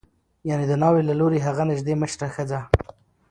یعنې د ناوې له لوري هغه نژدې مشره ښځه